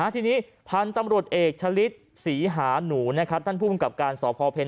ทีนี้พันธุ์ตำรวจเอกชะลิดศรีหาหนูนะครับท่านผู้กำกับการสพเพ็ญ